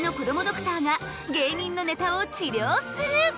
ドクターが芸人のネタを治りょうする。